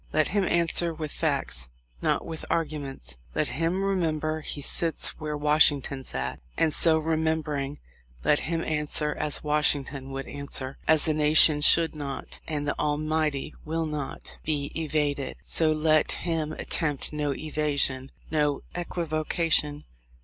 Let him answer with facts, not with arguments. Let him ' remember, he sits where Washington sat ; and so remembering, let him answer as Washington would answer. As a nation should not, and the Almighty will not, be evaded, so let him attempt no evasion, no equivocation.